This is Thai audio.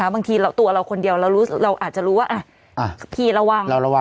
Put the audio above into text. บางทีตัวเราคนเดียวเราอาจจะรู้ว่าพี่ระวัง